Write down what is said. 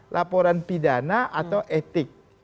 laporan pidana atau etik